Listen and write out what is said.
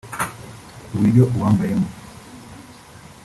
uburyo awambayemo